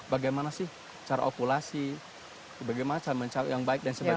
bagaimana sih cara opulasi bagaimana cara mencari yang baik dan sebagainya